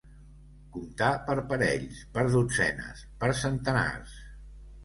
Comptar per parells, per dotzenes, per centenars.